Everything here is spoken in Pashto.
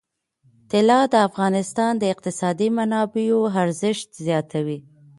طلا د افغانستان د اقتصادي منابعو ارزښت زیاتوي.